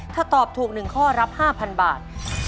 ถ้าตอบถูก๑ข้อรับ๕๐๐บาท